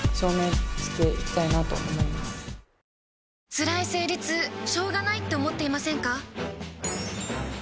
つらい生理痛しょうがないって思っていませんか？